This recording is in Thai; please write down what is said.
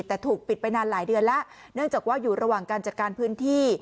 แต่ถูกปิดไปนานหลายเดือนแล้วเนื่องจากว่าอยู่ระหว่างการจัดการพื้นที่